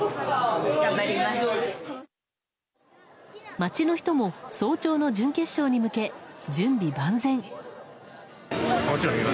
街の人も、早朝の準決勝に向け準備万全。